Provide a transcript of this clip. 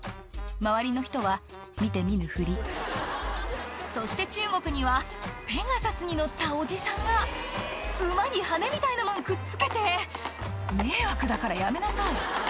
周りの人は見て見ぬふりそして中国にはペガサスに乗ったおじさんが馬に羽みたいなもんくっつけて迷惑だからやめなさい